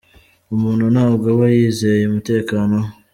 Umuntu ntabwo aba yizeye umutekano we.